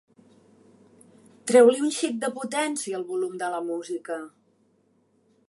Treu-li un xic de potència al volum de la música.